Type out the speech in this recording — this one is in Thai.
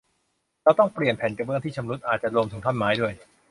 เราต้องเปลี่ยนแผ่นกระเบื้องที่ชำรุด อาจจะรวมถึงท่อนไม้ด้วย